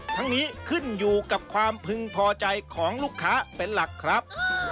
ทั้งนี้ขึ้นอยู่กับความพึงพอใจของลูกค้าเป็นหลักครับ